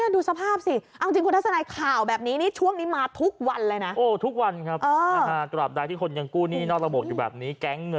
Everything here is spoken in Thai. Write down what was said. ดูสภาพสิเอาจริงคุณทัศนายข่าวแบบนี้